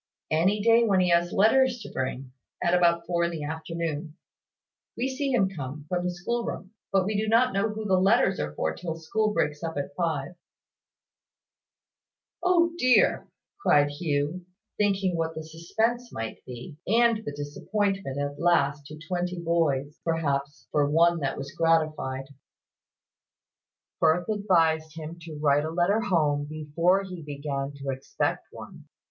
"Any day when he has letters to bring, at about four in the afternoon. We see him come, from the school room; but we do not know who the letters are for till school breaks up at five." "O dear!" cried Hugh, thinking what the suspense must be, and the disappointment at last to twenty boys, perhaps, for one that was gratified. Firth advised him to write a letter home before he began to expect one.